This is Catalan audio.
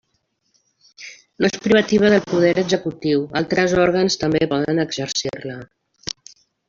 No és privativa del poder executiu, altres òrgans també poden exercir-la.